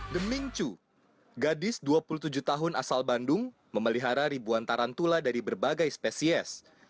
demingcu gadis dua puluh tujuh tahun asal bandung memelihara ribuan tarantula dari berbagai spesies